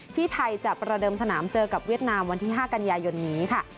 ที่ไทยจะประเดิมสนามเจอกับเวียดนามวันที่๕กันยายนนี้ค่ะ